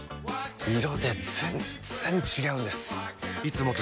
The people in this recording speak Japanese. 色で全然違うんです！